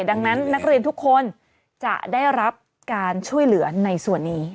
ดังนั้นนักเรียนทุกคนจะได้รับการช่วยเหลือในส่วนนี้